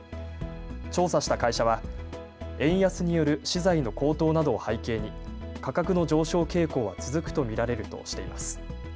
調査した会社は円安による資材の高騰などを背景に価格の上昇傾向は続くと見られるとしています。